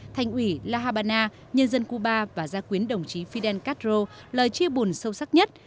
thành ủy la habana nhân dân cuba và gia quyến đồng chí fidel castro lời chia buồn sâu sắc nhất